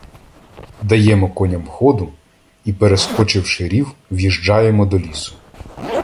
Даємо коням ходу і, перескочивши рів, в’їжджаємо до лісу.